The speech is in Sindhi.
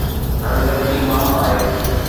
هر غلطي معاف آهي